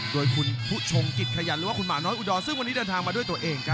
โดยคุณผู้ชงกิจขยันหรือว่าคุณหมาน้อยอุดรซึ่งวันนี้เดินทางมาด้วยตัวเองครับ